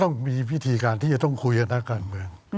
ต้องมีวิธีการที่จะต้องฟัยกันกัน